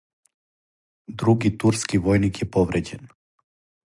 Други турски војник је повређен.